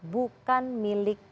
bukan milik negara